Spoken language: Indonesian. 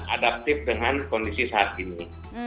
adaptif dengan kondisi saat ini